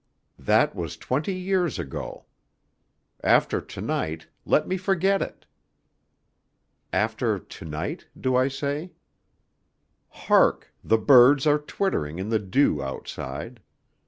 That was twenty years ago. After to night let me forget it. After to night, do I say? Hark! the birds are twittering in the dew outside.